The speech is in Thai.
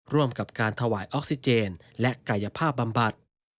ร่วมกับการถวายออกซิเจนและกายภาพบำบัด